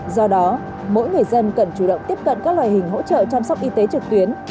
do đó mỗi người dân cần chủ động tiếp cận các loại hình hỗ trợ chăm sóc y tế trực tuyến